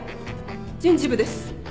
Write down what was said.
人事部です。